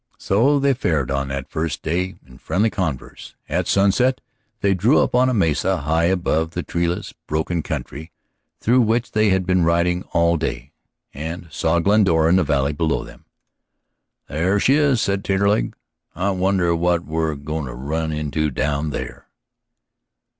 So they fared on that first day, in friendly converse. At sunset they drew up on a mesa, high above the treeless, broken country through which they had been riding all day, and saw Glendora in the valley below them. "There she is," said Taterleg. "I wonder what we're goin' to run into down, there?"